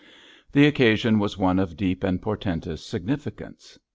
The occasion was one of deep and portentous significance.